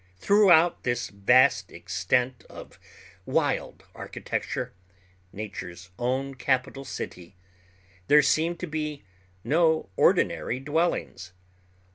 Throughout this vast extent of wild architecture—nature's own capital city—there seem to be no ordinary dwellings.